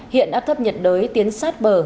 hiện áp thấp nhiệt đới tiến sát bờ